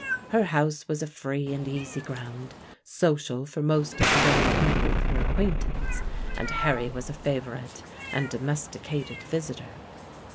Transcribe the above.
Her house was a free and easy ground, social for most of the young people of her acquaintance, and Harry was a favorite and domesticated visitor.